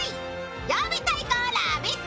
曜日対抗ラヴィット！